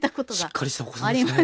しっかりしたお子さんですね。